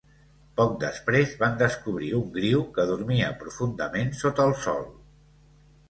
Poc després van descobrir un griu que dormia profundament sota el sol.